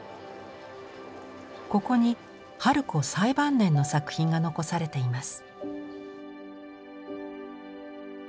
ここに春子最晩年の作品が残されています。